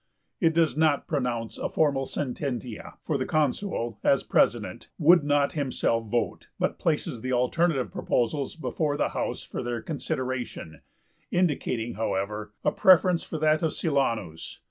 It does not pronounce a formal sententia, for the Consul, as president, would not himself vote, but places the alternative proposals before the house for their consideration; indicating, however, a preference for that of Silanus.